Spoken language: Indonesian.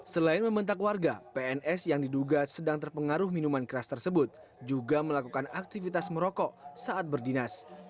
selain membentak warga pns yang diduga sedang terpengaruh minuman keras tersebut juga melakukan aktivitas merokok saat berdinas